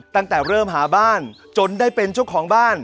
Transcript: ตั้งแต่เริ่มหาบ้านจนได้เป็นเจ้าของบ้าน